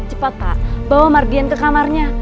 cepat pak bawa mardian ke kamarnya